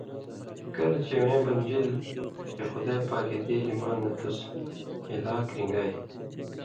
کلہۡ چے اِوَیں بنژِلیۡ چے خدائ پاکَیں دیلیۡ مال نہ تُس (ہِلاک) رِن٘گائ؛